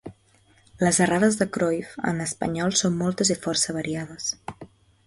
Les errades de Cruyff en espanyol són moltes i força variades.